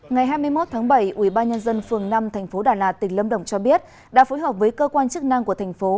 ngày hai mươi một tháng bảy ubnd phường năm thành phố đà lạt tỉnh lâm đồng cho biết đã phối hợp với cơ quan chức năng của thành phố